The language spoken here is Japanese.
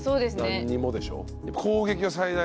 何にもでしょ？